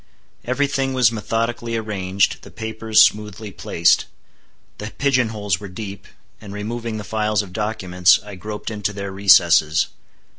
Every thing was methodically arranged, the papers smoothly placed. The pigeon holes were deep, and removing the files of documents, I groped into their recesses.